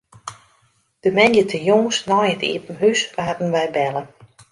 De moandeitejûns nei it iepen hús waarden wy belle.